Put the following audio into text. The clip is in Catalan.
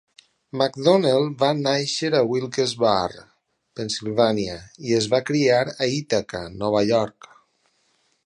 McDonnell va néixer a Wilkes-Barre, Pennsilvània, i es va criar a Ítaca, Nova York.